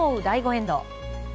第５エンド。